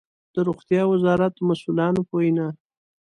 د روغتيا وزارت مسؤلانو په وينا